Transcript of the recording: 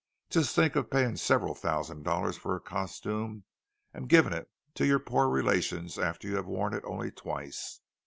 Just think of paying several thousand dollars for a costume, and giving it to your poor relations after you have worn it only twice!